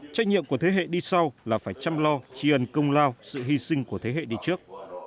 trách nhiệm của thế hệ đi sau là phải chăm lo tri ân công lao sự hy sinh của thế hệ đi trước